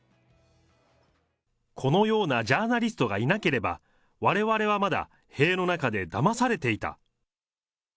このようなジャーナリストがいなければ、われわれはまだ塀の中でだまされていた。